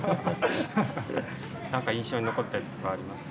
何か印象に残ったやつとかありますか？